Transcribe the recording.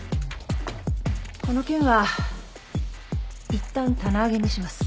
この件はいったん棚上げにします。